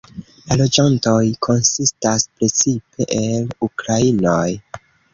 La loĝantoj konsistas precipe el ukrainoj.